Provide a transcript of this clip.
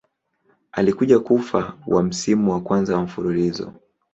Alikuja kufa wa msimu wa kwanza wa mfululizo.